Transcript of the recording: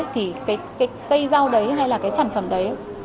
thì cái cây rau đấy hay là cái sản phẩm đấy